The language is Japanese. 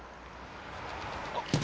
あっ！